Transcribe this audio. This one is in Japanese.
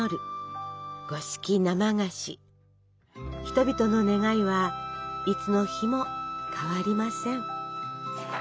人々の願いはいつの日も変わりません。